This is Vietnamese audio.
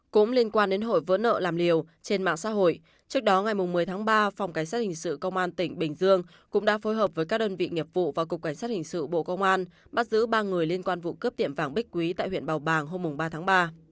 cũng liên quan đến hội vỡ nợ làm liều trên mạng xã hội trước đó ngày một mươi tháng ba phòng cảnh sát hình sự công an tỉnh bình dương cũng đã phối hợp với các đơn vị nghiệp vụ và cục cảnh sát hình sự bộ công an bắt giữ ba người liên quan vụ cướp tiệm vàng bích quý tại huyện bào bàng hôm ba tháng ba